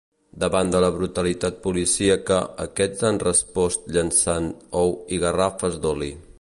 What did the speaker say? Davant de la brutalitat policíaca, aquests han respost llançant ou i garrafes d’oli.